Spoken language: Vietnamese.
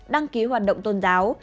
đăng ký hoạt động tôn giáo